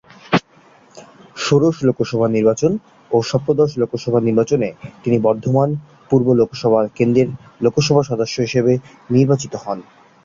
ষোড়শ লোকসভা নির্বাচন ও সপ্তদশ লোকসভা নির্বাচনে তিনি বর্ধমান পূর্ব লোকসভা কেন্দ্রের লোকসভা সদস্য হিসেবে নির্বাচিত হন।